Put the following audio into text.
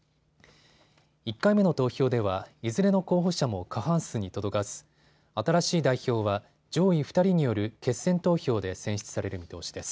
１回目の投票ではいずれの候補者も過半数に届かず新しい代表は上位２人による決選投票で選出される見通しです。